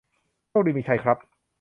โชคดีมีชัยครับ